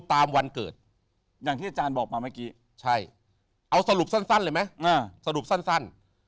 วันเกิดอย่างที่อาจารย์บอกมาเมื่อกี้ใช่เอาสรุปสั้นเลยไหมสรุปสั้น